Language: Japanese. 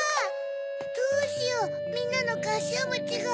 どうしようみんなのかしわもちが。